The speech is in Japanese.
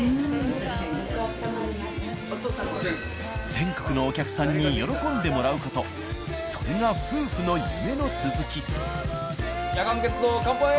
全国のお客さんに喜んでもらう事それが夫婦の夢の続き。